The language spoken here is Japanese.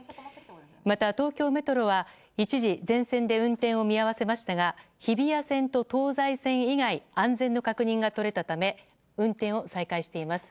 また、東京メトロは一時、全線で運転を見合わせましたが日比谷線と東西線以外安全の確認がとれたため運転を再開しています。